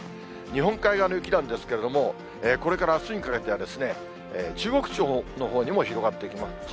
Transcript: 日本海側の雪なんですけれども、これからあすにかけては、中国地方のほうにも広がっていきます。